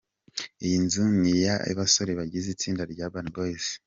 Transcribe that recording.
Iyi nzu ni iy’abasore bagize itsinda rya “Urban Boys”.